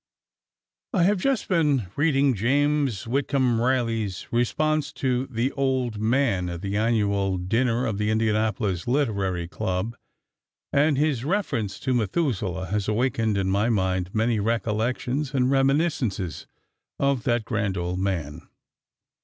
I have just been reading James Whitcomb Riley's response to "the old man" at the annual dinner of the Indianapolis Literary club, and his reference to Methuselah has awakened in my mind many recollections and reminiscences of that grand old man.